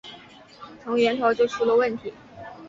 从源头就出了问题